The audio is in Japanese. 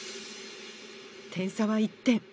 点差は１点。